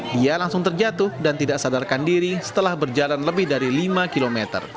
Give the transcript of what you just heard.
dia langsung terjatuh dan tidak sadarkan diri setelah berjalan lebih dari lima km